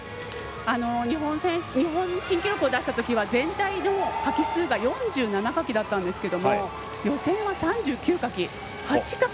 日本新記録を出したときは全体のかき数が４７かきだったんですけれども予選は３９かき。